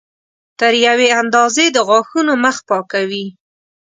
تر یوې اندازې د غاښونو مخ پاکوي.